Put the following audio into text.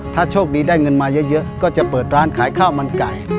ถ้าโชคดีได้เงินมาเยอะก็จะเปิดร้านขายข้าวมันไก่